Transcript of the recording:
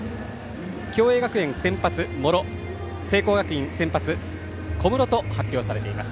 共栄学園、先発は茂呂聖光学院の先発小室と発表されています。